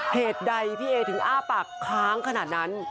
เหตุใดพี่เอถึงอ้าปากค้างขนาดนั้น